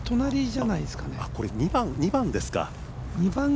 これ、２番ですか。